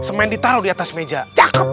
semen ditaruh di atas meja